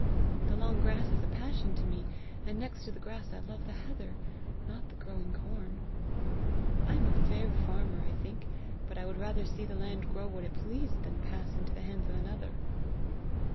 The long grass is a passion to me, and next to the grass I love the heather, not the growing corn. I am a fair farmer, I think, but I would rather see the land grow what it pleased, than pass into the hands of another.